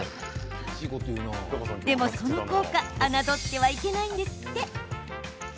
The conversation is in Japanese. でも、その効果侮ってはいけないんですって。